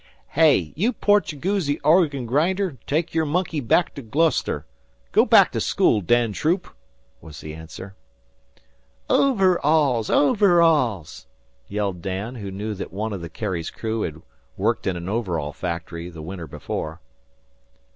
"Hey, you Portugoosy organ grinder, take your monkey back to Gloucester. Go back to school, Dan Troop," was the answer. "O ver alls! O ver alls!" yelled Dan, who knew that one of the Carrie's crew had worked in an overall factory the winter before.